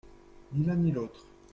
Ni l’un ni l’autre.